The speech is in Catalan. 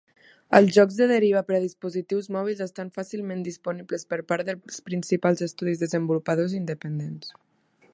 Els jocs de deriva per a dispositius mòbils estan fàcilment disponibles per part dels principals estudis desenvolupadors i independents.